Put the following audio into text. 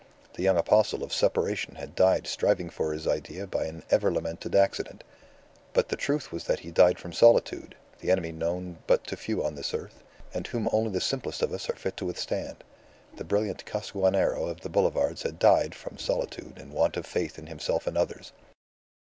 The young apostle of Separation had died striving for his idea by an ever lamented accident. But the truth was that he died from solitude, the enemy known but to few on this earth, and whom only the simplest of us are fit to withstand. The brilliant Costaguanero of the boulevards had died from solitude and want of faith in himself and others.